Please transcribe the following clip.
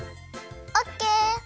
オッケー！